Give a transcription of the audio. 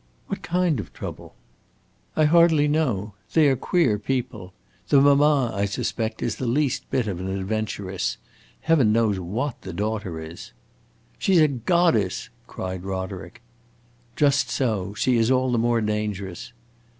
"What kind of trouble?" "I hardly know. They are queer people. The mamma, I suspect, is the least bit of an adventuress. Heaven knows what the daughter is." "She 's a goddess!" cried Roderick. "Just so. She is all the more dangerous."